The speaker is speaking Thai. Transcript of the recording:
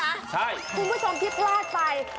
คุณผู้ชมที่พลาดไป